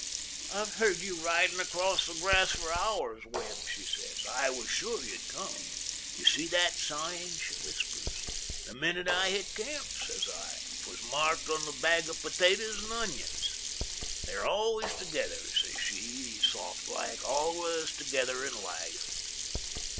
'I've heard you ridin' across the grass for hours, Webb,' she says. 'I was sure you'd come. You saw the sign?' she whispers. 'The minute I hit camp,' says I. ''Twas marked on the bag of potatoes and onions.' 'They're always together,' says she, soft like—'always together in life.